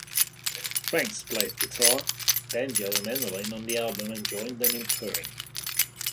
Franks played guitar, banjo and mandolin on the album and joined them in touring.